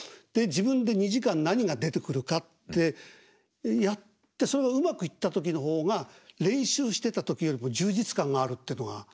で自分で２時間何が出てくるかってやってそれがうまくいった時の方が練習してた時よりも充実感があるってのが。